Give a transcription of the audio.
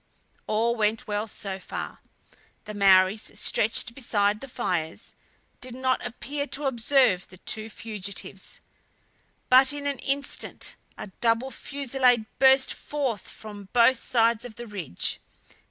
All went well so far. The Maories, stretched beside the fires, did not appear to observe the two fugitives. But in an instant a double fusillade burst forth from both sides of the ridge.